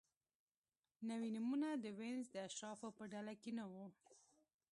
نوي نومونه د وینز د اشرافو په ډله کې نه وو.